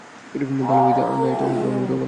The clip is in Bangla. ভালো হয়ে যা নয়তো অন্যকোথাও পালিয়ে যা।